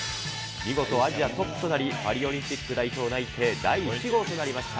見事、アジアトップとなり、パリオリンピック代表内定第１号となりました。